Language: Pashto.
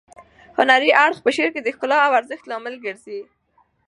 هنري اړخ په شعر کې د ښکلا او ارزښت لامل ګرځي.